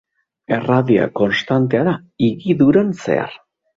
Erradioa konstantea da higiduran zehar.